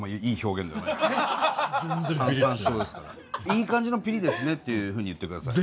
「いい感じのピリですね」っていうふうに言って下さい。